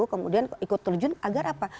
kemudian ikut terjun agar apa